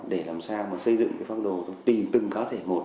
để làm sao xây dựng phác đồ từ từng cá thể một